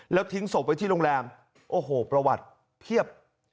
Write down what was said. แล้วทิ้งศพไว้ที่โรงแรมโอ้โหประวัติเพียบ